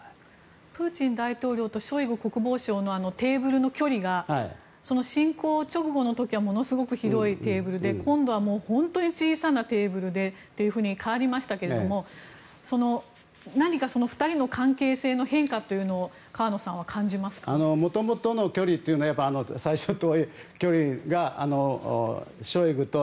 プーチン大統領とショイグ国防相のテーブルの距離が侵攻直後はものすごく広いテーブルで今度は本当に小さなテーブルでと変わりましたけれども何か２人の関係性の変化をもともとの距離というのは最初の遠い距離がショイグと